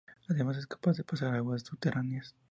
Además es capaz de pasar a aguas subterráneas.